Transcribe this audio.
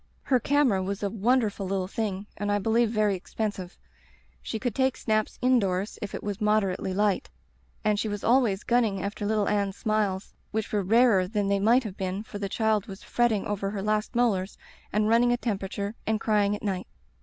"Her camera was a wonderful little thing and I believe very expensive. She could take snaps in doors if it was moderately light, and she was always gunning after litde Anne's smiles, which were rarer than they might have been, for the child was fretting over her last molars and running a temperature and crying at night.